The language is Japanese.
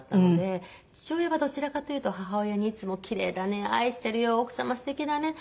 父親はどちらかというと母親に「いつもキレイだね」「愛してるよ」「奥様素敵だね」